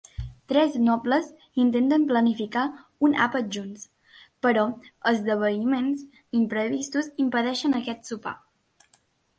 Tres nobles intenten planificar un àpat junts, però esdeveniments imprevistos impedeixen aquest sopar.